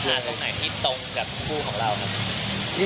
มีงานอยู่ที่ตรงให้เกี่ยวกับคู่ของเราครับ